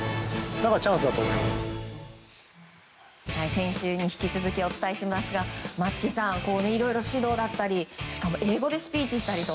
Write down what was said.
先週に引き続きお伝えしますが松木さん、いろいろ指導だったりしかも英語でスピーチしたり。